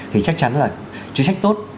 thì chắc chắn là chính sách tốt